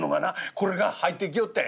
これが入ってきよったんや。